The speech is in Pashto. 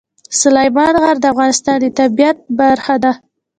سلیمان غر د افغانستان د طبیعت برخه ده.